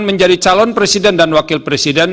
menjadi calon presiden dan wakil presiden